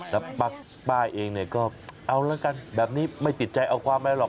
แล้วป้าเองเนี่ยก็เอาละกันแบบนี้ไม่ติดใจเอาความอะไรหรอก